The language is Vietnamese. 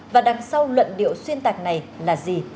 và đằng sau luận điệu xuyên tạc này là gì